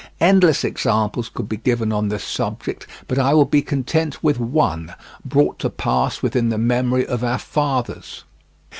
Endless examples could be given on this subject, but I will be content with one, brought to pass within the memory of our fathers.